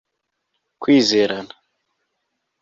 kwizerana